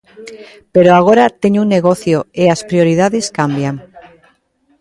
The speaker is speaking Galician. Pero agora teño un negocio e as prioridades cambian.